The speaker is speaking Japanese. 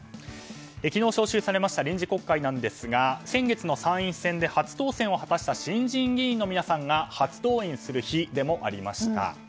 昨日、召集されました臨時国会ですが先月の参院選で初当選を果たした新人議員の皆さんが初登院する日でもありました。